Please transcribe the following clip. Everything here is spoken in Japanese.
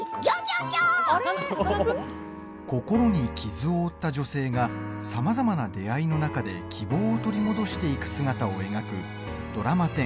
心に傷を負った女性がさまざまな出会いの中で希望を取り戻していく姿を描くドラマ１０